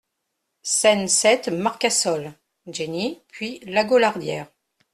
Scène sept Marcassol, Jenny puis Lagaulardière.